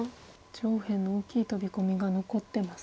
上辺の大きいトビ込みが残ってますね。